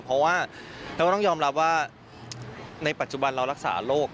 เพราะว่าเราก็ต้องยอมรับว่าในปัจจุบันเรารักษาโรค